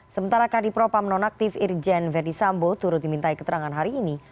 sementara kd propam nonaktif irjen verdisambo turut dimintai keterangan hari ini